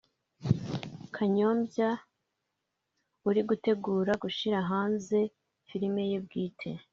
Kanyombya uri gutegura gushyira hanze film ye bwite